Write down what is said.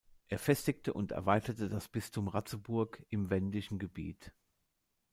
Er festigte und erweiterte das Bistum Ratzeburg im Wendischen Gebiet.